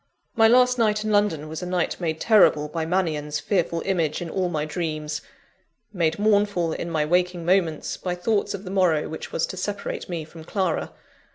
My last night in London was a night made terrible by Mannion's fearful image in all my dreams made mournful, in my waking moments, by thoughts of the morrow which was to separate me from Clara.